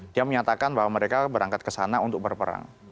dia menyatakan bahwa mereka berangkat ke sana untuk berperang